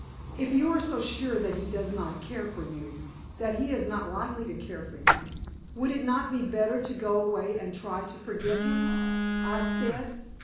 "If you are so sure that he does not care for you that he is not likely to care for you would it not be better to go away and try to forget him?" I said.